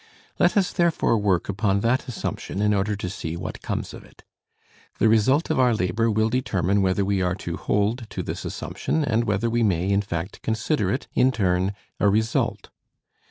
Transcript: Let us therefore work upon that assumption in order to see what comes of it. The result of our labor will determine whether we are to hold to this assumption and whether we may, in fact, consider it in turn a result.